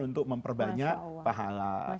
untuk memperbanyak pahala